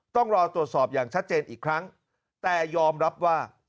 ต้องรอตรวจสอบอย่างชัดเจนอีกครั้งแต่ยอมรับว่า